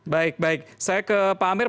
baik baik saya ke pak amir